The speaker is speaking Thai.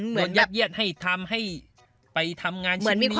ยัดเยียดให้ทำให้ไปทำงานเช่นนี้